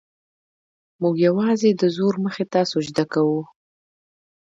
موږ یوازې د زور مخې ته سجده کوو.